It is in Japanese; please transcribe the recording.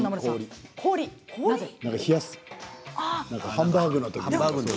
ハンバーグのとき。